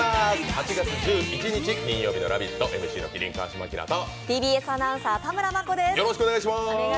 ８月１１日、金曜日の「ラヴィット！」、ＭＣの麒麟・川島明とＴＢＳアナウンサー・田村真子です。